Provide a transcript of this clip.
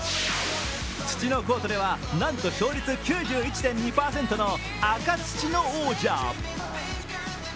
土のコートではなんと勝率９１．２％の赤土の王者。